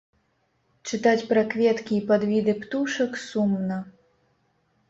Чытаць пра кветкі і падвіды птушак сумна.